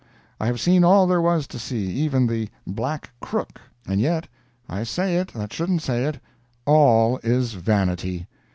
I have seen all there was to see even the "Black Crook"—and yet, I say it, that shouldn't say it—all is vanity!